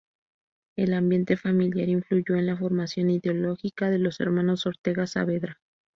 El ambiente familiar influyó en la formación ideológica de los hermanos Ortega Saavedra.